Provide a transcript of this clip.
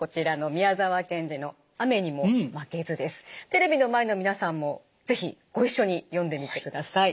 テレビの前の皆さんも是非ご一緒に読んでみてください。